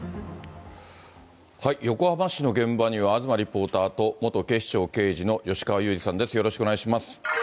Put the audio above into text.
横浜市の現場には東リポーターと、元警視庁刑事の吉川ゆうじさんです。